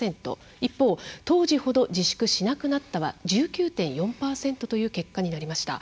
一方、当時ほど自粛しなくなったは１９．４％という結果になりました。